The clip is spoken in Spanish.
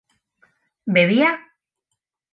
¿bebía?